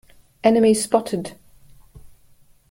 Enemy spotted!